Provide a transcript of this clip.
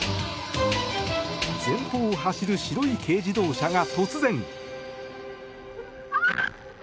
前方を走る白い軽自動車が突然。